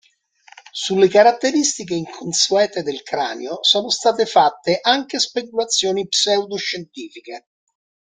Sulle caratteristiche inconsuete del cranio sono state fatte anche speculazioni pseudoscientifiche.